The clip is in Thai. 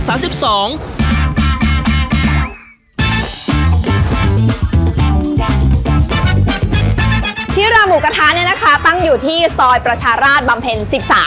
ชิลาหมูกระทะโซยประชาราชบำเพ็ญ๑๓